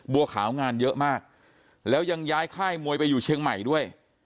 บัวขาวงานเยอะมากแล้วยังย้ายค่ายมวยไปอยู่เชียงใหม่ด้วย